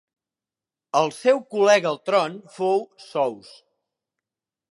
El seu col·lega al tron fou Sous.